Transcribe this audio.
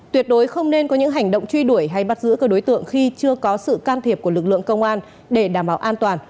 tuyệt đối không nên có những hành động truy đuổi hay bắt giữ các đối tượng khi chưa có sự can thiệp của lực lượng công an để đảm bảo an toàn